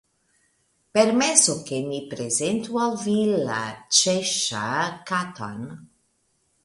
Permesu ke mi prezentu al vi la Ĉeŝŝa Katon.